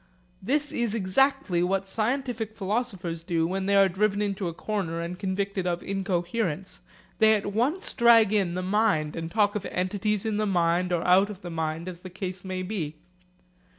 This is exactly what scientific philosophers do when they are driven into a corner and convicted of incoherence. They at once drag in the mind and talk of entities in the mind or out of the mind as the case may be.